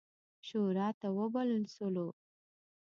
شوراته وبلل شولو.